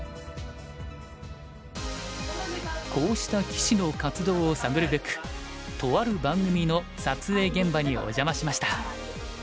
こうした棋士の活動を探るべくとある番組の撮影現場にお邪魔しました。